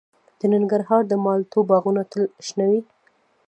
د ننګرهار د مالټو باغونه تل شنه وي.